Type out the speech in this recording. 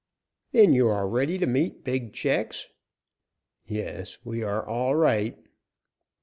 "Then you are ready to meet big checks?" "Yes, we are all right."